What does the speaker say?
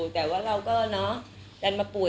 แต่ว่าเราก็ดันมาป่วย